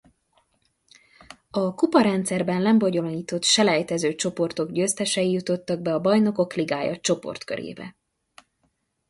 A kupa rendszerben lebonyolított selejtezőcsoportok győztesei jutottak be a Bajnokok ligája csoportkörébe.